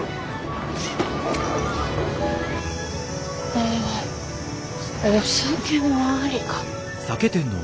ああお酒もありか。